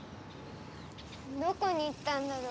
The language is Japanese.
どこに行ったんだろ？